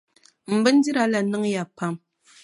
M bindira la niŋya pam.